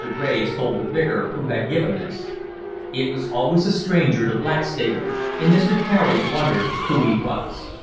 Graves told the Vicar who had given this. It was always a stranger to Blackstable, and Mr. Carey wondered who he was.